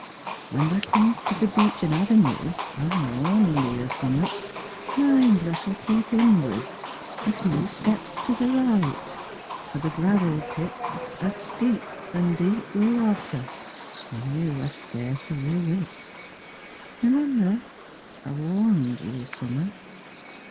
When tha comes to the beechen avenue, I'm warnin' thee o' summat. Mind tha shall keep inwards, a few Steps to the right, for the gravel pits Are steep an' deep wi' watter, an' you Are scarce o' your wits. Remember, I've warned the o' summat.